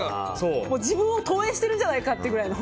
自分を投影してるんじゃないかってくらいの。